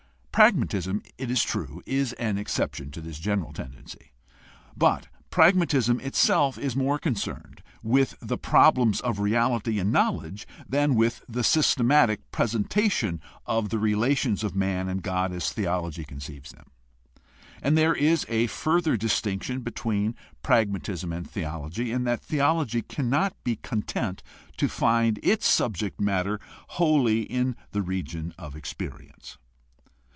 Pragmatism, it is true, is an exception to this general tendency, but pragmatism itself is more concerned with the problems of reality and knowl edge than with the systematic presentation of the relations of man and God as theology conceives them. And there is a further distinction between pragmatism and theology in that theology cannot be content to find its subject matter wholly in the region of experience.